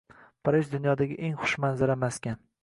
Parij dunyodagi eng xushmanzara maskan